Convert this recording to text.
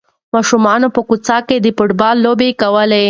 ماشومانو په کوڅه کې د فوټبال لوبه کوله.